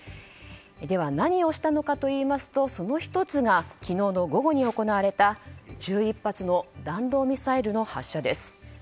では何をしたのかといいますとその１つが昨日の午後に行われた１１発の弾道ミサイルの発射です。